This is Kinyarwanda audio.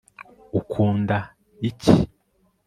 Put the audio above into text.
ukunda icyi